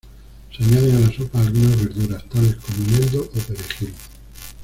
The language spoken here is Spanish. Se añaden a la sopa algunas verduras tales como eneldo o perejil.